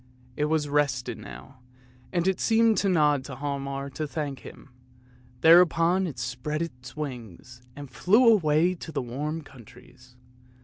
It was rested now, and it seemed to nod to Hialmar to thank him; thereupon it spread its wings and flew away to the warm countries.